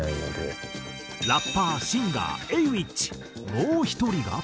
もう１人が。